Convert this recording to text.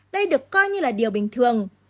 điều coi như là điều bình thường